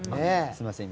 すみません